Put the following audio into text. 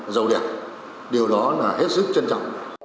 giàu đẹp điều đó là hết sức trân trọng